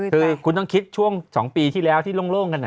คือคุณต้องคิดช่วง๒ปีที่แล้วที่โล่งกัน